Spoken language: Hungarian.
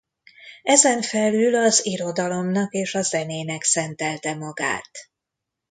Ezen felül az irodalomnak és a zenének szentelte magát.